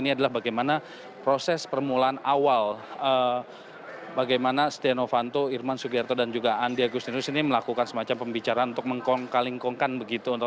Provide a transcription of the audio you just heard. ini adalah bagaimana proses permulaan awal bagaimana setia novanto firman subagyong dan juga andi agustinus ini melakukan semacam pembicaraan untuk mengkongkaling kongkan begitu